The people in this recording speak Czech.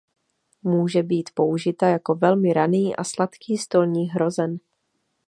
Může být použita jako velmi raný a sladký stolní hrozen.